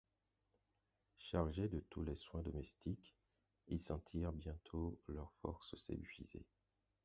Chargés de tous les soins domestiques, ils sentirent bientôt leurs forces s’épuiser.